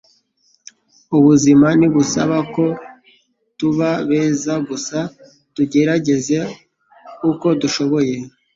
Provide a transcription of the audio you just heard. Ubuzima ntibusaba ko tuba beza, gusa tugerageza uko dushoboye.”